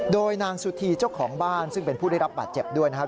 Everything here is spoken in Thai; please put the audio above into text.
โดยนางสุธีเจ้าของบ้านซึ่งเป็นผู้ได้รับบาดเจ็บด้วยนะครับ